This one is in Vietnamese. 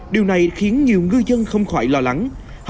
điều này khiến nhiều ngư dân không khỏi lo lắng